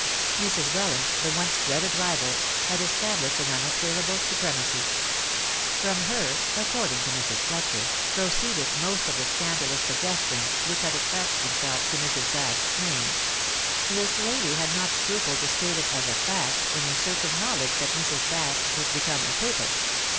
Mrs. Welland, the once dreaded rival, had established an unassailable supremacy. From her, according to Mrs. Fletcher, proceeded most of the scandalous suggestions which had attached themselves to Mrs. Baske's name. This lady had not scrupled to state it as a fact in her certain knowledge that Mrs. Baske was become a Papist.